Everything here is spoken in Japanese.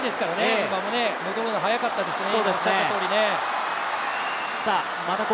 今も戻るのが速かったですからね。